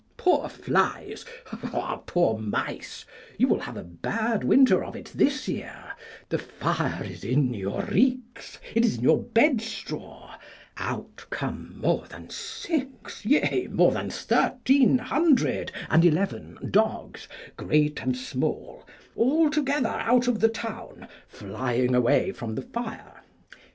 poor flies, ha! poor mice, you will have a bad winter of it this year; the fire is in your reeks, it is in your bed straw out come more than six, yea, more than thirteen hundred and eleven dogs, great and small, altogether out of the town, flying away from the fire.